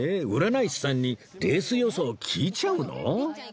占い師さんにレース予想を聞いちゃうの？